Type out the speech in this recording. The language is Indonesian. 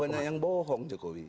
banyak yang bohong jokowi